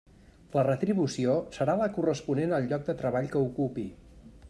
La retribució serà la corresponent al lloc de treball que ocupi.